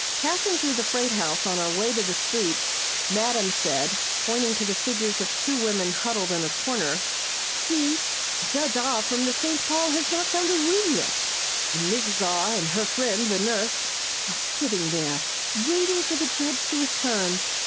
Passing through the freight house on our way to the street, madam said, pointing to the figures of two woman huddled in a corner: "See! Judge R. from the St. Paul has not found a room yet, and Mrs. R. and her friend, the nurse, are sitting there, waiting for the judge to return!